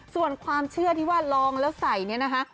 ส่วนความเชื่อที่ว่าลองแล้วใส่เนี่ยนะคะ